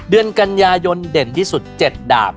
เดือนกันยายนเด่นที่สุด๗ดาบ